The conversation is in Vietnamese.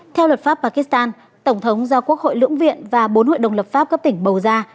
theo luật pháp pakistan tổng thống do quốc hội lưỡng viện và bốn hội đồng lập pháp cấp tỉnh bầu ra